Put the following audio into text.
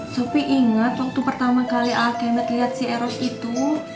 supi ingat waktu pertama kali agent lihat si eros itu